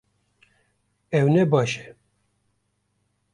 Ew ne baş e